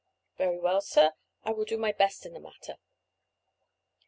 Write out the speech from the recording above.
"Very well, sir. I will do my best in the matter."